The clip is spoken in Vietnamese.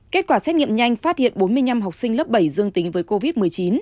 kết quả xét nghiệm nhanh phát hiện bốn mươi năm học sinh lớp bảy dương tính với covid một mươi chín